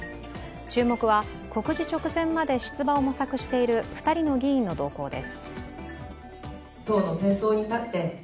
注目は告示直前まで出馬を模索している２人の議員の動向です。